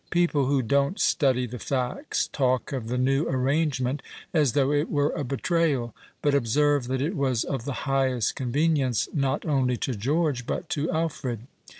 People who don't study the facts talk of the new arrangement as though it were a betrayal ; but observe that it was of the highest convenience not only to George, but to Alfred.